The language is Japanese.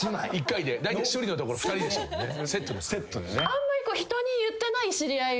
あんまり人に言ってない知り合い。